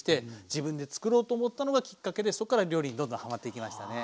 自分で作ろうと思ったのがきっかけでそっから料理にどんどんはまっていきましたね。